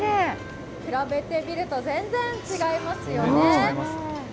比べてみると全然違いますよね。